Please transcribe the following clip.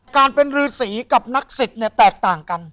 การเป็นรือสีกับนักศิษย์เนี่ยแตกต่างกัน